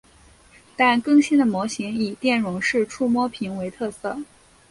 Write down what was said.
但更新的模型以电容式触摸屏为特色。